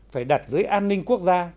phải đặt dưới an ninh quốc gia